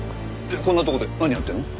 こんなとこで何やってるの？